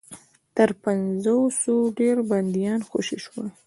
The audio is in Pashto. تر پنځوسو ډېر بنديان خوشي شول.